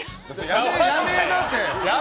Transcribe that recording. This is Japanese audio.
やめなって！